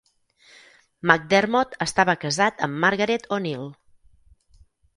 McDermott estava casat amb Margaret O'Neill.